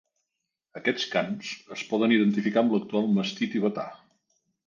Aquests cans es poden identificar amb l'actual mastí tibetà.